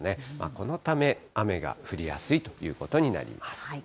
このため、雨が降りやすいということになります。